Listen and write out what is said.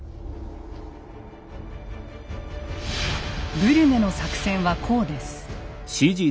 ブリュネの作戦はこうです。